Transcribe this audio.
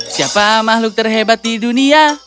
siapa makhluk terhebat di dunia